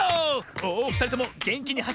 おふたりともげんきにはしってったぞ！